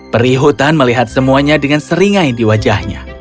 peri hutan melihat semuanya dengan seringai di wajahnya